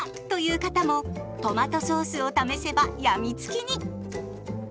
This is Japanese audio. という方もトマトソースを試せば病みつきに！